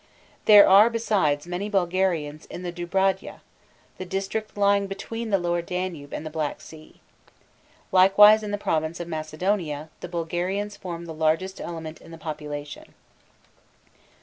There are, besides, many Bulgarians in the Dobrud´ja the district lying between the lower Danube and the Black Sea. Likewise in the province of Macedonia, the Bulgarians form the largest element in the population.